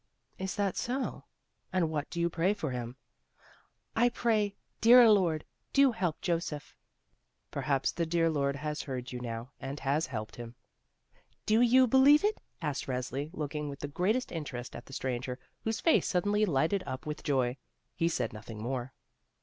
"Is that so? And what do you pray for him?" "I pray: 'Dear Lord, do help Joseph!' " 54. THE ROSE CHILD "Perhaps the dear Lord has heard you now, and has helped him." "Do you believe it?" asked Resli, looking with the greatest interest at the stranger, whose face suddenly lighted up with joy. He said nothing more.